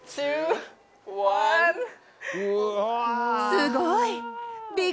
すごい。